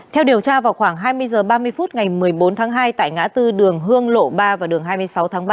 theo điều tra vào khoảng hai mươi h ba mươi phút ngày một mươi bốn tháng hai tại ngã tư đường hương lộ ba và đường hai mươi sáu tháng ba